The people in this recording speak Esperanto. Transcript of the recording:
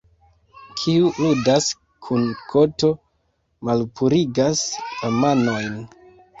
Kiu ludas kun koto, malpurigas la manojn.